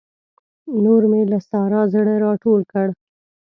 نور مې له سارا زړه راټول کړ.